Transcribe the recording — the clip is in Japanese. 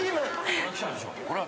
これきたでしょ。